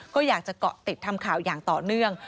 ก็อยากจะเกาะติดทำข่าวอย่างต่อเนื่อง